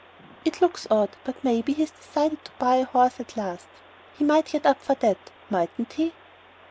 "It looks odd; but maybe he's decided to buy a horse at last. He might get up for that, mightn't he?"